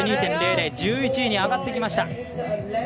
１４２．００１１位に上がってきました。